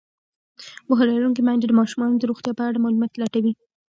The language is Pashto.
پوهه لرونکې میندې د ماشومانو د روغتیا په اړه معلومات لټوي.